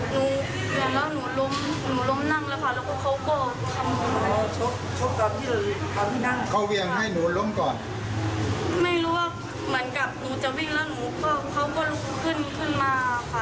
หนูเวียงแล้วหนูล้มหนูล้มนั่งแล้วค่ะ